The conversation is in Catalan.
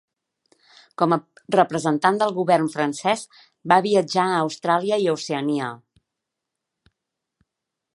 Com a representant del govern francès, va viatjar a Austràlia i Oceania.